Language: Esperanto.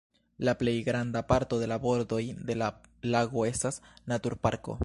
La plejgranda parto de la bordoj de la lago estas naturparko.